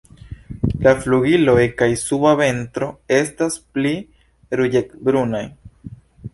La flugiloj kaj suba ventro estas pli ruĝecbrunaj.